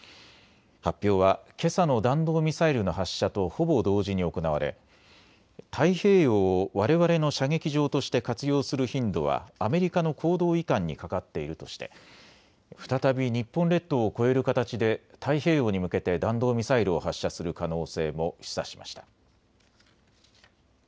発表は、けさの弾道ミサイルの発射とほぼ同時に行われ太平洋をわれわれの射撃場として活用する頻度はアメリカの行動いかんにかかっているとして再び日本列島を越える形で太平洋に向けて弾道ミサイルを発射する可能性も示唆しました。